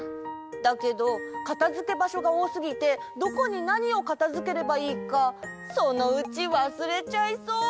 だけどかたづけばしょがおおすぎてどこになにをかたづければいいかそのうちわすれちゃいそう。